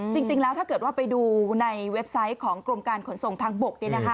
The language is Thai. จริงแล้วถ้าเกิดว่าไปดูในเว็บไซต์ของกรมการขนส่งทางบก